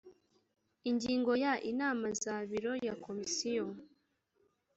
ingingo ya inama za biro ya komisiyo